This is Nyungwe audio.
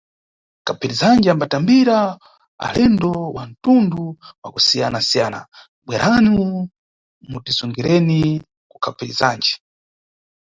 Kaphirizanje ambatambira alendo wa ntundu wa kusiyanasiyana, bweranu mutizungireni kuKaphirizanje.